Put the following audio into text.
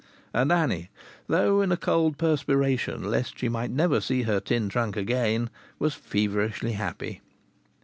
And Annie, though in a cold perspiration lest she might never see her tin trunk again, was feverishly happy.